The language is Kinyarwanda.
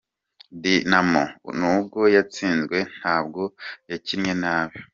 Dynamo nubwo yatsinzwe ntabwo yakinnye nabi.